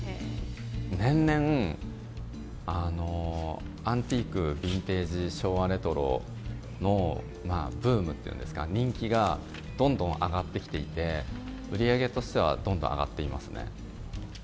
年々、アンティーク、ビンテージ、昭和レトロのブームっていうんですか、人気がどんどん上がってきていて、売り上げとしてはどんどん上がっていますね。